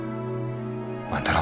万太郎。